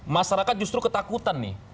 masyarakat justru ketakutan nih